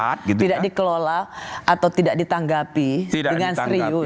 tidak dikelola atau tidak ditanggapi dengan serius